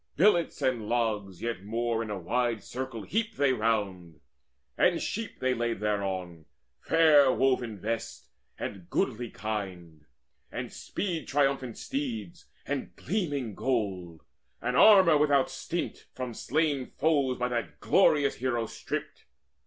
Billets and logs Yet more in a wide circle heaped they round; And sheep they laid thereon, fair woven vests, And goodly kine, and speed triumphant steeds, And gleaming gold, and armour without stint, From slain foes by that glorious hero stripped.